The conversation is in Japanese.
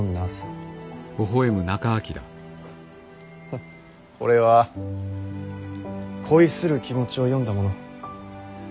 フッこれは恋する気持ちを詠んだもの。